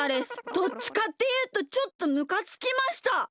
どっちかっていうとちょっとむかつきました。ですよね。